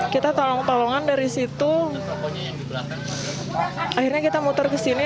kita tolong tolongan dari situ akhirnya kita muter ke sini